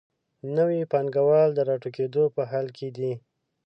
نوي پانګوال د راټوکېدو په حال کې دي.